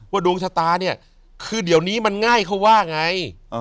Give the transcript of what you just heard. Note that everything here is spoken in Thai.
ดวงชะตาเนี่ยคือเดี๋ยวนี้มันง่ายเขาว่าไง